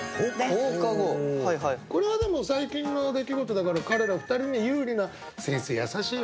これはでも最近の出来事だから彼ら２人に有利な先生優しいよ。